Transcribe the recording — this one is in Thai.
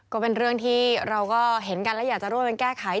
ก็เป็นเรื่องที่เราก็เห็นกันและอยากจะร่วมกันแก้ไข